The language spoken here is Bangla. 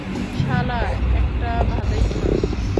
শালা একটা ভাদাইম্মা।